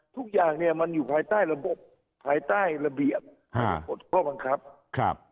ทุกอย่างเนี่ยมันอยู่ภายใต้ระบบภายใต้ระเบียบกฎข้อบังคับครับ